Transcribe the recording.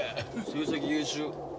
成績優秀。